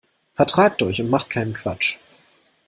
Vertragt euch und macht keinen Quatsch.